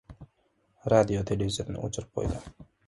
Radio-televizorni o‘chirib qo‘ydi.